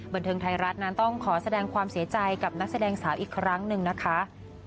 บันเทิงไทยรัฐนั้นต้องขอแสดงความเสียใจกับนักแสดงสาวอีกครั้งหนึ่งนะคะ